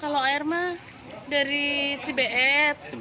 kalau air mah dari cibeet